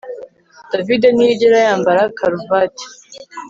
David ntiyigera yambara karuvati